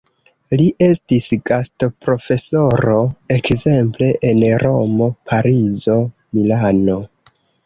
Li estis gastoprofesoro ekzemple en Romo, Parizo, Milano.